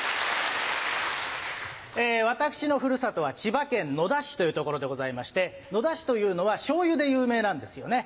私のふるさとは千葉県野田市という所でございまして野田市というのはしょうゆで有名なんですよね。